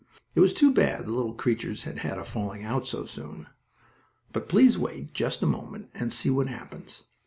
It was too bad the little creatures had had a falling out so soon, but please wait just a moment and see what happens.